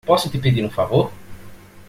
Posso te pedir um favor?